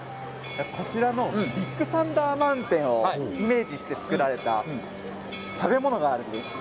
こちらのビッグサンダー・マウンテンをイメージして作られた食べ物があるんです。